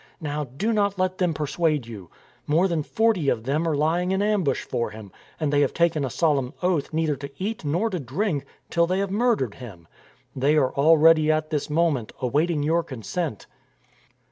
Now, do not let them persuade you. More than forty of them are lying in ambush for him, and they have taken a solemn oath neither to eat nor to 300 STORM AND STRESS drink till they have murdered him. They are all ready at this moment, awaiting your consent."